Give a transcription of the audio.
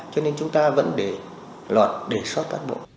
cho nên chúng ta vẫn để lọt để xót cán bộ